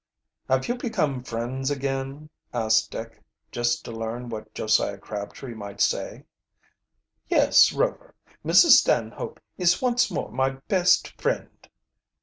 "Have you become friends again?" asked Dick, just to learn what Josiah Crabtree might say. "Yes, Rover, Mrs. Stanhope is once more my best friend."